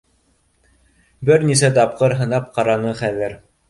Бер нисә тапҡыр һынап ҡараны хәҙер